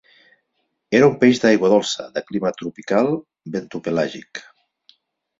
Era un peix d'aigua dolça, de clima tropical i bentopelàgic.